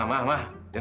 saya lagi di patung